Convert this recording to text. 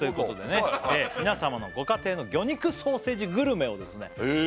なるほど皆さまのご家庭の魚肉ソーセージグルメをですねへえ